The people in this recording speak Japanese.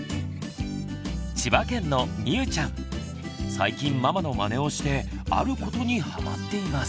最近ママのマネをしてあることにハマっています。